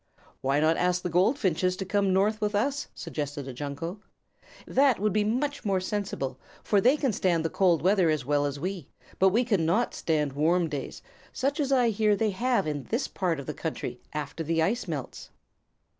"Why not ask the Goldfinches to come north with us?" suggested a Junco. "That would be much more sensible, for they can stand the cold weather as well as we, but we cannot stand warm days, such as I hear they have in this part of the country after the ice melts."